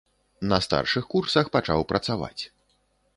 На старшых курсах пачаў працаваць.